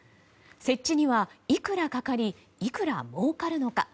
設置にはいくらかかりいくらもうかるのか。